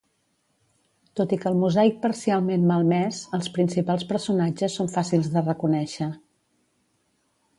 Tot i que el mosaic parcialment malmès, els principals personatges són fàcils de reconèixer.